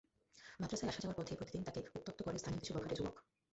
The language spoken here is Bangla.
মাদ্রাসায় আসা যাওয়ার পথে প্রতিদিন তাকে উত্ত্যক্ত করে স্থানীয় কিছু বখাটে যুবক।